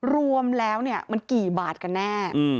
รวมแล้วมันกี่บาทกันแน่